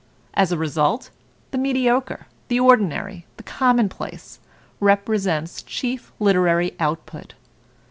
As a result, the mediocre, the ordinary, the commonplace represents the chief literary output.